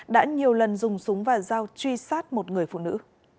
đã nhiều lần dùng súng và dao truy sát một người phụ nữ